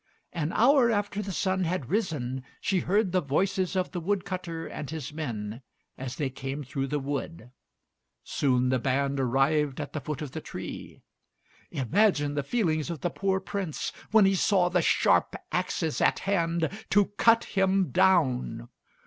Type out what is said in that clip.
An hour after the sun had risen, she heard the voices of the wood cutter and his men as they came through the wood. Soon the band arrived at the foot of the tree. Imagine the feelings of the poor Prince when he saw the sharp axes at hand to cut him down!